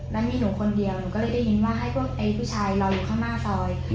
แล้วมีหนูคนเดียวหนูก็เลยได้ยินว่าให้พวกไอ้ผู้ชายรออยู่ข้างหน้าซอย